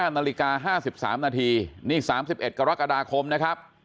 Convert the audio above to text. ๕นาฬิกา๕๓นาทีนี่๓๑กรกฎาคมนะครับ